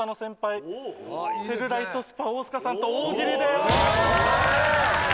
セルライトスパ大須賀さんと「大喜利」で。